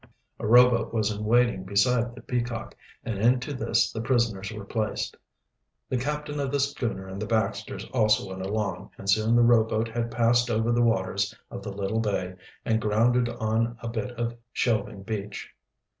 A rowboat was in waiting beside the Peacock, and into this the prisoners were placed. The captain of the schooner and the Baxters also went along, and soon the rowboat had passed over the waters of the little bay and grounded on a bit of shelving beach.